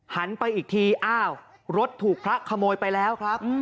หันไปอีกทีอ้าวรถถูกพระขโมยไปแล้วครับ